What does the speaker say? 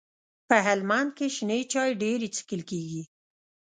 په هلمند کي شنې چاي ډيري چیښل کیږي.